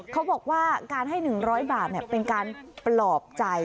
เขาบอกว่าการให้๑๐๐บาทเป็นการปลอบใจ